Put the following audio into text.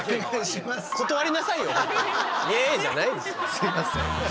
すいません。